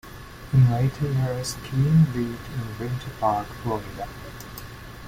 In later years, King lived in Winter Park, Florida.